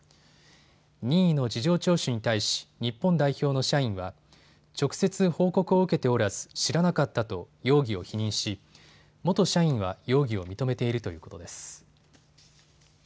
任意の事情聴取に対し日本代表の社員は直接報告を受けておらず知らなかったと容疑を否認し元社員は容疑を認めているということです。